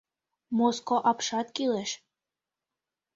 Моско апшат кӱлеш.